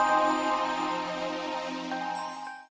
dan yang terakhir adalah kami